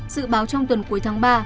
dự báo trong tuần cuối tháng ba